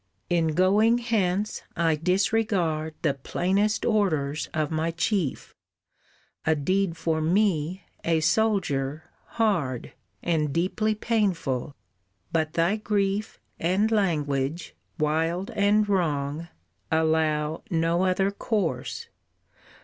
"In going hence I disregard The plainest orders of my chief, A deed for me, a soldier, hard And deeply painful, but thy grief And language, wild and wrong, allow No other course.